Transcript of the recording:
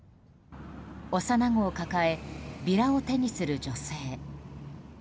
幼子を抱えビラを手にする女性。